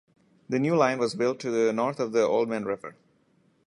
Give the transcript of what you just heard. The new line was built to the north of the Oldman River.